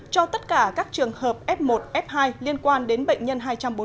cho tất cả các trường hợp f một f hai liên quan đến bệnh nhân hai trăm bốn mươi bốn